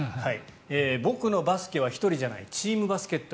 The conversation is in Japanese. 僕のバスケは１人じゃないチームバスケット